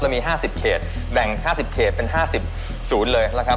มี๕๐เขตแบ่ง๕๐เขตเป็น๕๐ศูนย์เลยนะครับ